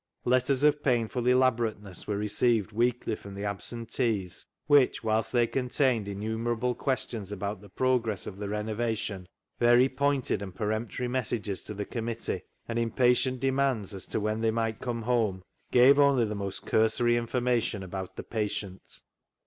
Letters of painful elaborateness were received weekly from the absentees, which, whilst they contained innumerable questions about the progress of the renovation, very pointed and peremptory messages to the committee, and impatient de mands as to when they might come home, gave only the most cursory information about the patient.